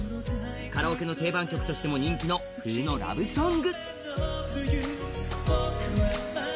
カラオケの定番曲としても人気の冬のラブソング。